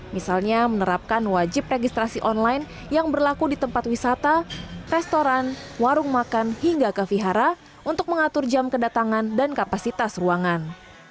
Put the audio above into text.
misalnya menerapkan wajib registrasi online yang berlaku di tempat wisata restoran warung makan hingga ke vihara untuk mengatur jam kedatangan dan kapasitas ruangan